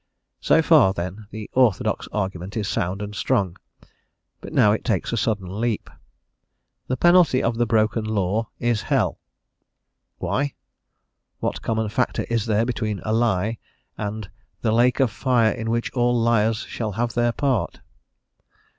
So far, then, the orthodox argument is sound and strong, but now it takes a sudden leap. "The penalty of the broken law is hell." Why? What common factor is there between a lie, and the "lake of fire in which all liars shall have their part?"